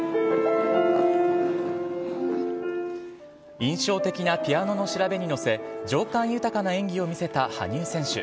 印象的なピアノの調べに乗せ情感豊かな演技を見せた羽生選手。